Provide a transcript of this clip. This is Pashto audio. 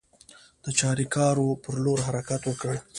د چاریکار پر لور حرکت وکړ.